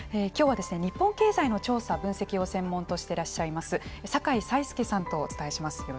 きょうは日本経済の調査・分析を専門としてらっしゃいます酒井才介さんとお伝えします。